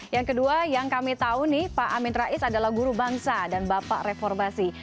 yang kedua yang kami tahu nih pak amin rais adalah guru bangsa dan bapak reformasi